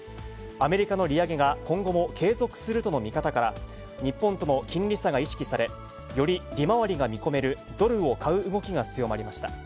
アメリカの利上げが今後も継続するとの見方から、日本との金利差が意識され、より利回りが見込めるドルを買う動きが強まりました。